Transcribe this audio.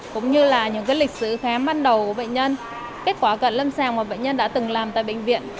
cũng như là những lịch sử khám ban đầu của bệnh nhân kết quả cận lâm sàng mà bệnh nhân đã từng làm tại bệnh viện